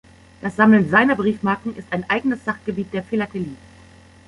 Das Sammeln seiner Briefmarken ist ein eigenes Sachgebiet der Philatelie.